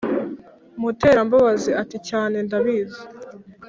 Muterambabazi ati"cyane ndabizi